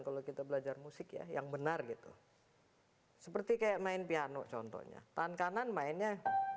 kalau kita belajar musik ya yang benar gitu seperti kayak main piano contohnya tahan kanan mainnya